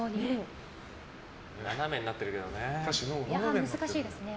斜めになってるけどね。